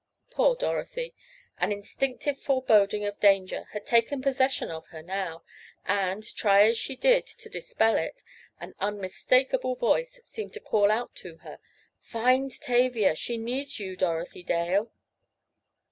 Poor Dorothy! An instinctive foreboding of danger had taken possession of her now, and, try as she did to dispel it, an unmistakable voice seemed to call out to her: "Find Tavia! She needs you, Dorothy Dale!"